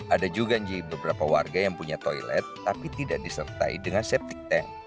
ada juga nih beberapa warga yang punya toilet tapi tidak disertai dengan septic tank